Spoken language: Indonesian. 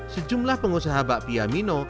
sejumlah pengusaha bakpia mino